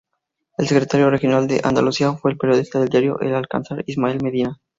El secretario regional de Andalucía fue el periodista del diario "El Alcázar" Ismael Medina.